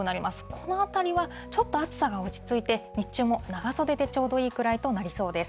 このあたりは、ちょっと暑さが落ち着いて、日中も長袖でちょうどいいぐらいとなりそうです。